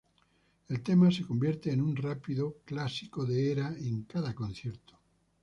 El tema se convierte en un rápido clásico de Era en cada concierto.